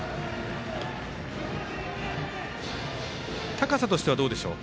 高さとしてはどうでしょう。